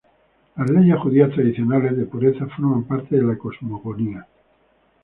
Las leyes judías tradicionales de pureza forman parte de la cosmogonía.